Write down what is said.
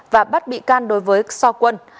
và bắt bị can đối với so quân